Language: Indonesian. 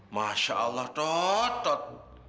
masya allah totot